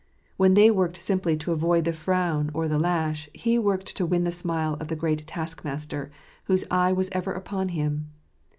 When they worked simply to avoid the frown or the lash, he worked to win the smile of the great Taskmaster, whose eye was ever upon him.